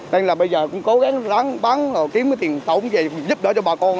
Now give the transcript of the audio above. nên là bây giờ cũng cố gắng rán bán kiếm cái tiền tổng về giúp đỡ cho bà con